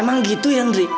emang gitu ya ndri